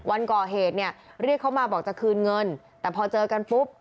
วันก่อเหตุเนี่ยเรียกเขามาบอกจะคืนเงินแต่พอเจอกันปุ๊บ